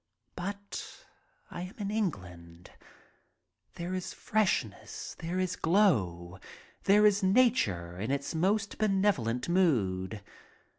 But I am in England. There is freshness. There is glow. There is nature in its most benevolent mood.